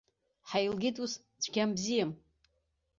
Ҳаилгеит ус, цәгьам-бзиам!